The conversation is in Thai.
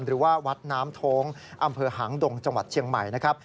หรือว่าวัดน้ำโท้งอำเภอหางดงจังหวัดเชียงใหม่นะครับ